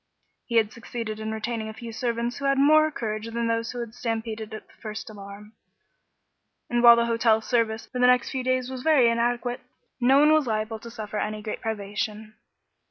He had succeeded in retaining a few servants who had more courage than those that had stampeded at the first alarm, and while the hotel service for the next few days was very inadequate, no one was liable to suffer any great privation.